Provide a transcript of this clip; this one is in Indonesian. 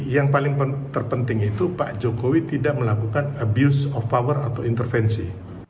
yang paling terpenting itu pak jokowi tidak melakukan abuse of power atau intervensi